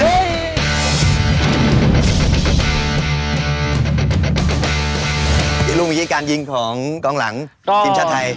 เรียกรู้มั้ยการยิงของกองหลังทีมชาติไทย